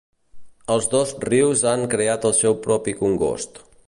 Els dos rius han creat el seu propi congost.